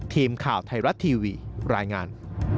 ทีมข่าวไทยรัฐทีวีรายงาน